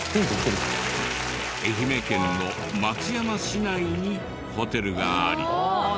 愛媛県の松山市内にホテルがあり。